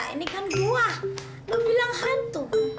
ini kan gua lu bilang hantu